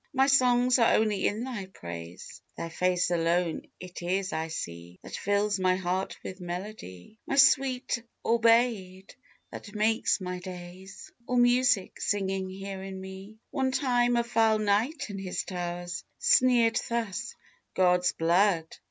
My songs are only in thy praise; Thy face alone it is I see, That fills my heart with melody My sweet aubade! that makes my days All music, singing here in me! One time a foul knight in his towers Sneered thus: "God's blood!